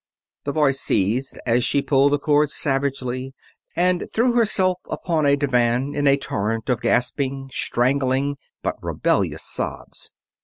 The voice ceased as she pulled the cord savagely and threw herself upon a divan in a torrent of gasping, strangling, but rebellious sobs.